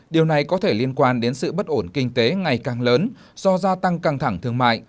điều này có thể liên quan đến sự bất ổn kinh tế ngày càng lớn do gia tăng căng thẳng thương mại